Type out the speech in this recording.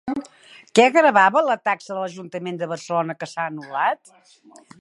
Què gravava la taxa de l'ajuntament de Barcelona que s'ha anul·lat?